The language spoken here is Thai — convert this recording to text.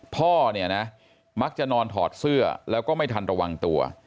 พ่อเนี่ยนะมักจะนอนถอดเสื้อแล้วก็ไม่ทันระวังตัว